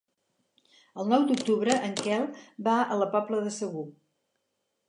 El nou d'octubre en Quel va a la Pobla de Segur.